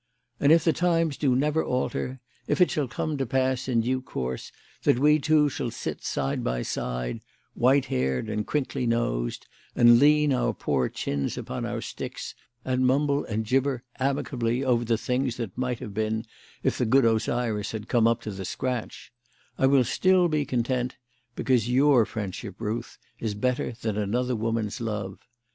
And if the times do never alter if it shall come to pass, in due course, that we two shall sit side by side, white haired, and crinkly nosed, and lean our poor old chins upon our sticks and mumble and gibber amicably over the things that might have been if the good Osiris had come up to the scratch I will still be content, because your friendship, Ruth, is better than another woman's love.